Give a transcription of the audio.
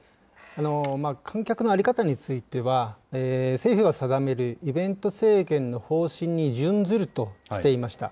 観客の在り方については、政府が定めるイベント制限の方針に準ずるとしていました。